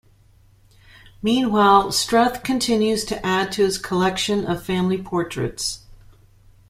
Meanwhile, Struth continues to add to his collection of family portraits.